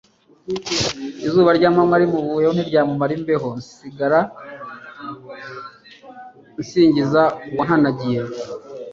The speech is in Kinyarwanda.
izuba ry'amanywa rimuvuyeho ntiryamumara imbeho, nsigara nsingiza uwantanagiye.